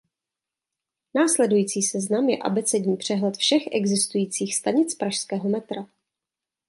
Následující seznam je abecední přehled všech existujících stanic pražského metra.